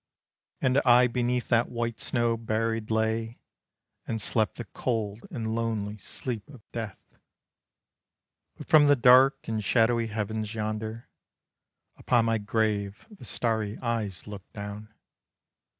And I beneath that white snow buried lay, And slept the cold and lonely sleep of death. But from the dark and shadowy heavens yonder, Upon my grave the starry eyes looked down.